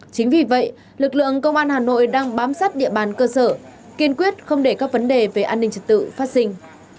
chính vì vậy lực lượng công an hà nội đang bám sát địa bàn cơ sở kiên quyết không để các vấn đề về an ninh trật tự phát sinh